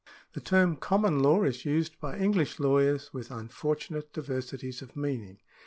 The term common law is used by English lawyers with un fortunate diversities of meaning.